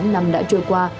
sáu mươi tám năm đã trôi qua